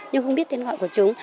nhưng không biết tên gọi của chúng